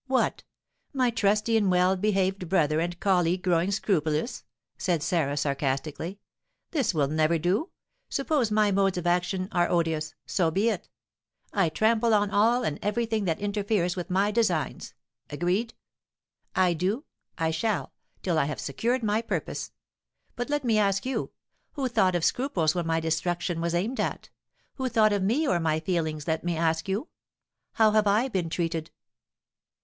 "What! my trusty and well behaved brother and colleague growing scrupulous?" said Sarah, sarcastically. "This will never do; suppose my modes of action are odious, so be it. I trample on all and every thing that interferes with my designs, agreed. I do I shall, till I have secured my purpose. But let me ask you, Who thought of scruples when my destruction was aimed at? Who thought of me or my feelings, let me ask you? How have I been treated?"